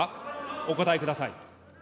お答えください。